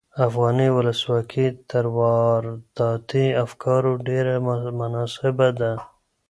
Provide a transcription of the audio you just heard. افغاني ولسواکي تر وارداتي افکارو ډېره مناسبه وه.